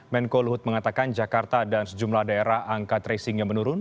menko luhut mengatakan jakarta dan sejumlah daerah angka tracingnya menurun